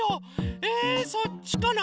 えそっちかな。